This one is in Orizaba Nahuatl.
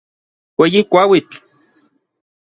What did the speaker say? Ueyi kuauitl.